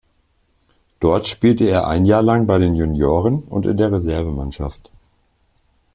Dort spielte er ein Jahr lang bei den Junioren und in der Reservemannschaft.